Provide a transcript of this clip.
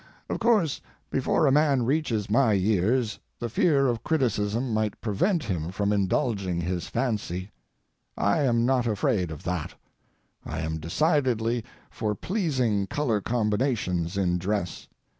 Of course, before a man reaches my years the fear of criticism might prevent him from indulging his fancy. I am not afraid of that. I am decidedly for pleasing color combinations in dress.